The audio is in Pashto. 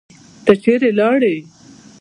ته چیرې لاړې؟